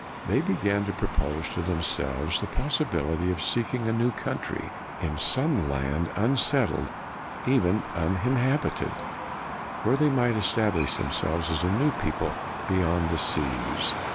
'' They began to propose to themselves the possibility of seeking a new country, in some land unsettled, even uninhabited, where they might establish themselves as a new people, beyond the seas.